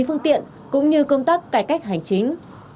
phương tiện cũng như công tác cải cách hành chính